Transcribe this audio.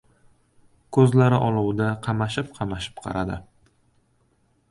Ko‘zlari olovda qamashib-qamashib qaradi.